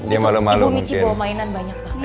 ibu michi bawa mainan banyak banget